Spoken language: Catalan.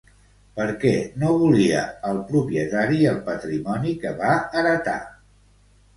Per què no volia el propietari el patrimoni que va heretar?